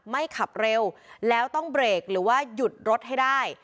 ขับเร็วแล้วต้องเบรกหรือว่าหยุดรถให้ได้